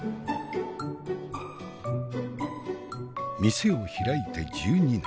店を開いて１２年。